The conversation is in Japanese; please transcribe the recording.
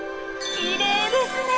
きれいですね！